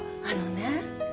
あのね